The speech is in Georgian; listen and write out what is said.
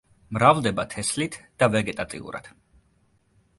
მრავლდება თესლით და ვეგეტატიურად.